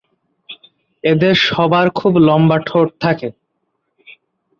এদের সবার খুব লম্বা ঠোঁট থাকে।